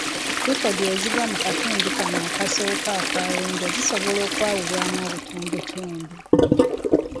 Likodi ezigwa mu katundu kano akasooka aka leeja zisobola okwawulwamu obutundutundu.